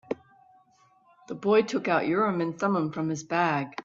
The boy took out Urim and Thummim from his bag.